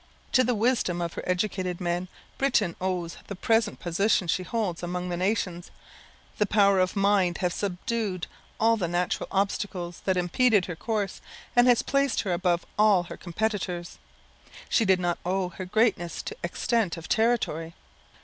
To the wisdom of her educated men, Britain owes the present position she holds among the nations. The power of mind has subdued all the natural obstacles that impeded her course, and has placed her above all her competitors. She did not owe her greatness to extent of territory.